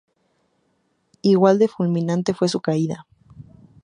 Igual de fulminante fue su caída.